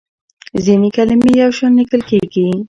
ځینې کلمې یو شان لیکل کېږي.